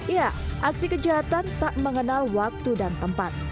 ya aksi kejahatan tak mengenal waktu dan tempat